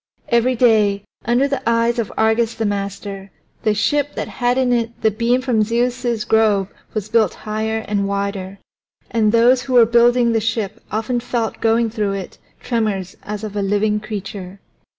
Every day, under the eyes of Argus the master, the ship that had in it the beam from Zeus's grove was built higher and wider. And those who were building the ship often felt going through it tremors as of a living creature.